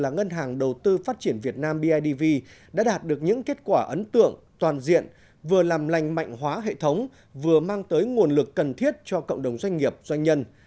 ngân hàng đầu tư phát triển việt nam bidv đã đạt được những kết quả ấn tượng toàn diện vừa làm lành mạnh hóa hệ thống vừa mang tới nguồn lực cần thiết cho cộng đồng doanh nghiệp doanh nhân